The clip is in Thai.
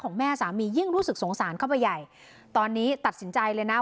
แม่สามียิ่งรู้สึกสงสารเข้าไปใหญ่ตอนนี้ตัดสินใจเลยนะ